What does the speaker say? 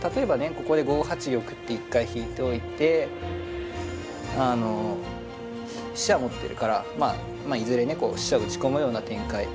ここで５八玉って一回引いておいて飛車持ってるからまあいずれね飛車打ち込むような展開。